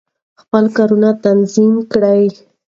خپل کارونه تنظیم کړئ.